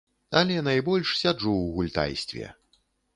Але найбольш сяджу ў гультайстве.